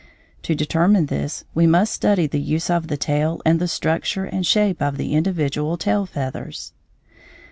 To determine this we must study the use of the tail and the structure and shape of the individual tail feathers.